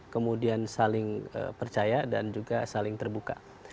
kemudian saling percaya dan juga saling terbuka